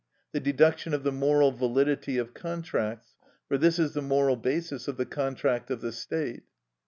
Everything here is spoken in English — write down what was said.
The deduction of the moral validity of contracts; for this is the moral basis of the contract of the state.